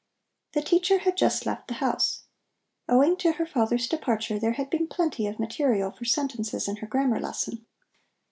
The teacher had just left the house. Owing to her father's departure, there had been plenty of material for sentences in her grammar lesson.